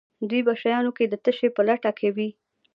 دوی په شیانو کې د تشې په لټه کې وي.